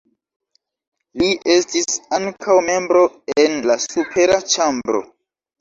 Li estis ankaŭ membro en la supera ĉambro.